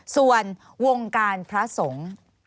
ส่วนวงการพระสงฆ์